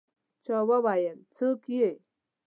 چا وویل: «څوک يې؟»